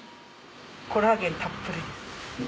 コラーゲンたっぷりです。